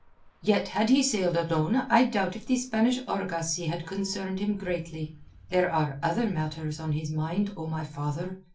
"Yet had he sailed alone I doubt if the Spanish argosy had concerned him greatly. There are other matters on his mind, O my father.